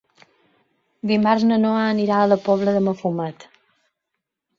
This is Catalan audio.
Dimarts na Noa anirà a la Pobla de Mafumet.